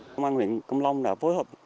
công an huyện con plong đã phối hợp